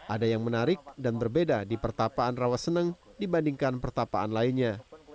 ada yang menarik dan berbeda di pertapaan rawaseneng dibandingkan pertapaan lainnya